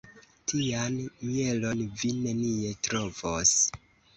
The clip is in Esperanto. Tian mielon vi nenie trovos.